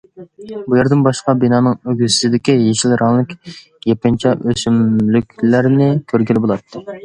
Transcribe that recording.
بۇ يەردىن باشقا بىنانىڭ ئۆگزىسىدىكى يېشىل رەڭلىك يېپىنچا ئۆسۈملۈكلەرنى كۆرگىلى بولاتتى.